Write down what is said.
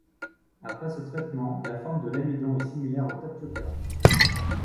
Après ce traitement, la forme de l'amidon est similaire au tapioca.